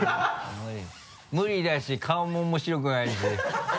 無理だし顔も面白くないし。